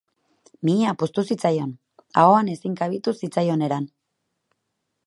Mihia puztu zitzaion, ahoan ezin kabitu zitzaion eran.